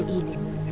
pada saat ini